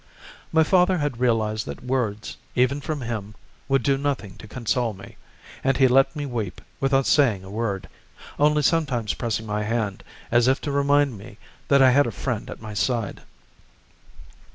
My father had realized that words, even from him, would do nothing to console me, and he let me weep without saying a word, only sometimes pressing my hand, as if to remind me that I had a friend at my side.